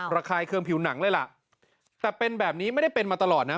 ระคายเครื่องผิวหนังเลยล่ะแต่เป็นแบบนี้ไม่ได้เป็นมาตลอดนะ